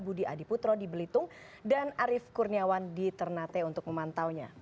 budi adiputro di belitung dan arief kurniawan di ternate untuk memantaunya